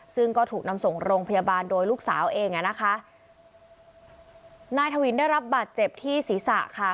ซึ่งก็ถูกนำส่งโรงพยาบาลโดยลูกสาวเองอ่ะนะคะนายทวินได้รับบาดเจ็บที่ศีรษะค่ะ